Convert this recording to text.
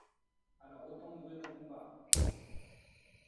Alors autant mourir au combat!